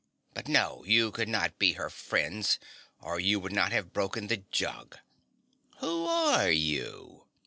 "But no, you could not be her friends or you would not have broken the jug. Who ARE you?